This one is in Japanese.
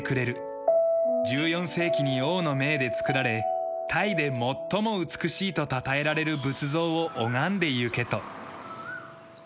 １４世紀に王の命で作られタイで最も美しいとたたえられる仏像を拝んでいけと。